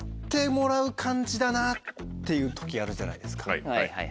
はいはいはい。